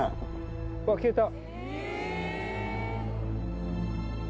うわ消えた。